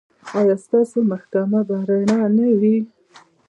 ایا ستاسو محکمه به رڼه نه وي؟